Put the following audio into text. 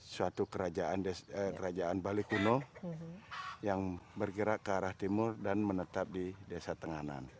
suatu kerajaan bali kuno yang bergerak ke arah timur dan menetap di desa tenganan